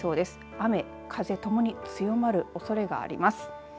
雨、風ともに強まるおそれがあります。